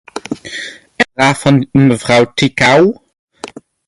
En de vraag van mevrouw Ţicău?